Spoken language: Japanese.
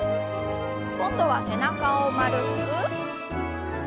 今度は背中を丸く。